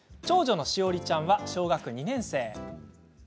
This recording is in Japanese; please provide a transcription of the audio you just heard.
長女の志織ちゃんは小学２年生。